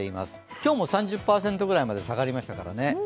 今日も３０％ぐらいまで下がりましたからね。